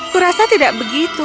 kurasa tidak begitu